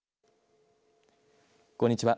こんにちは。